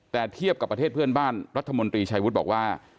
แต่เทียบกับประเทศเพื่อนบ้านรัฐมนตรีชัยวุฒิบอกว่า